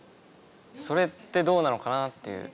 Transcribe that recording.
それってどうなのかなっていう